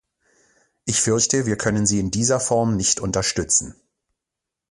Ich fürchte, wir können sie in dieser Form nicht unterstützen.